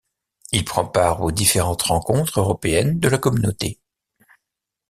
Il prend part aux différentes rencontres européennes de la Communauté.